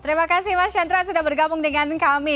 terima kasih mas chandra sudah bergabung dengan kami